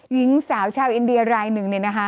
หญิงสาวชาวอินเดียรายหนึ่ง